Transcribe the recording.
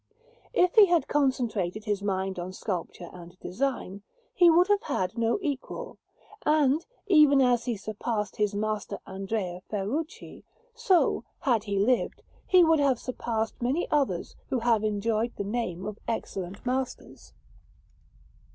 If he had concentrated his mind on sculpture and design, he would have had no equal; and, even as he surpassed his master Andrea Ferrucci, so, had he lived, he would have surpassed many others who have enjoyed the name of excellent masters.